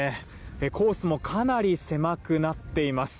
コースもかなり狭くなっています。